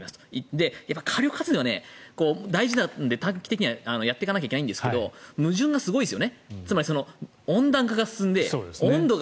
火力発電は大事なので短期的にはやっていかなきゃいけないんですが矛盾がすごいんです。